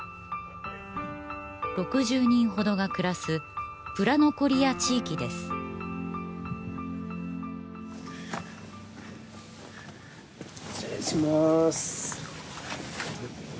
６０人ほどが暮らすプラノコリア地域です失礼します